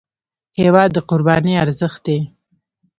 هېواد د قربانۍ ارزښت دی.